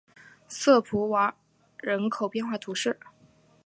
瑟普瓦人口变化图示